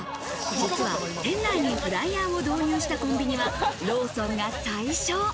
実は店内にフライヤーを導入したコンビニはローソンが最初。